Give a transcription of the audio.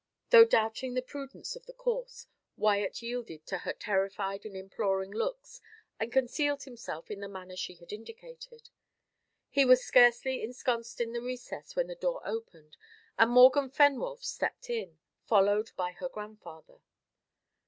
Though doubting the prudence of the course, Wyat yielded to her terrified and imploring looks, and concealed himself in the manner she had indicated. He was scarcely ensconed in the recess, when the door opened, and Morgan Fenwolf stepped in, followed by her grandfather.